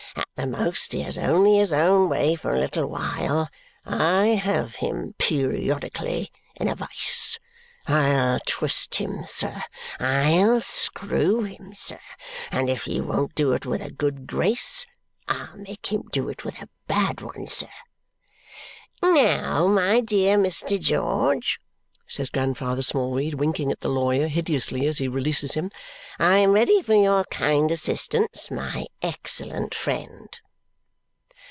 At the most, he has only his own way for a little while. I have him periodically in a vice. I'll twist him, sir. I'll screw him, sir. If he won't do it with a good grace, I'll make him do it with a bad one, sir! Now, my dear Mr. George," says Grandfather Smallweed, winking at the lawyer hideously as he releases him, "I am ready for your kind assistance, my excellent friend!"